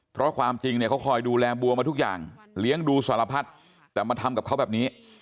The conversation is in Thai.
เพราะความจริงค่อยดูแลบัวมาทุกอย่างเลี้ยงดูสารพัฒน์แต่มาทำกับเขาง่าย